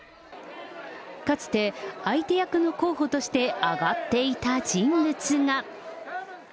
かつて、相手役の候補として挙がっていた人物が。